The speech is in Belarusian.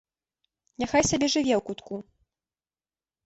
Няхай сабе жыве ў кутку.